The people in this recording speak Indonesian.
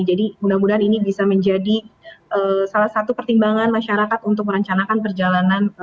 jadi mudah mudahan ini bisa menjadi salah satu pertimbangan masyarakat untuk merancangkan perjalanan